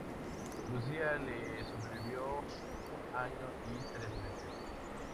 Lucía le sobrevivió un año y tres meses.